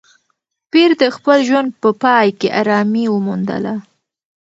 پییر د خپل ژوند په پای کې ارامي وموندله.